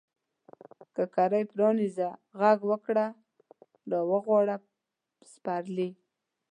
کړکۍ پرانیزه، ږغ وکړه را وغواړه سپرلي